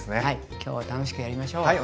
はい今日は楽しくやりましょう。